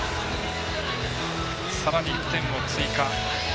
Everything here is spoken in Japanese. さらに１点を追加。